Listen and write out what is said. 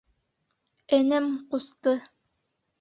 Энем, ҡусты.